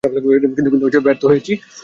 কিন্তু ব্যর্থ হয়েছি।